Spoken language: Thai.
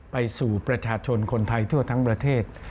ไปสู่ประชาชนคนไทยทั่วทั้งประเทศ